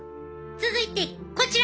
続いてこちら！